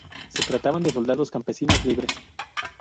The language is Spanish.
Se trataban de soldados-campesinos libres.